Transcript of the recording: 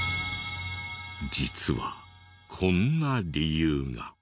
実はこんな理由が。